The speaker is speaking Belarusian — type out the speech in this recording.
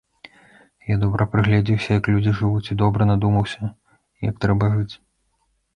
Я добра прыглядзеўся, як людзі жывуць, і добра надумаўся, як трэба жыць.